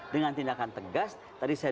dengan tindakan tegas tadi saya